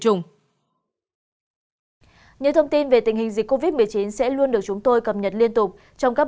chủng những thông tin về tình hình dịch covid một mươi chín sẽ luôn được chúng tôi cập nhật liên tục trong các